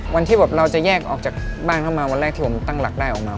วันที่แบบเราจะแยกออกจากบ้านเข้ามาวันแรกที่ผมตั้งหลักได้ออกมา